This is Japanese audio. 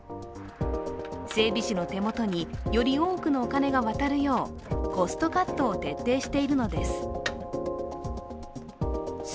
整備士の手元により多くのお金が渡るよう、コストカットを徹底しているのです。